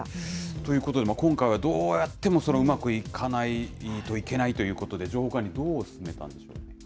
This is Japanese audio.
ということで今回はどうやっても、そのうまくいかないといけないということで情報管理どう進めたんでしょうか。